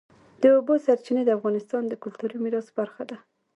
د اوبو سرچینې د افغانستان د کلتوري میراث برخه ده.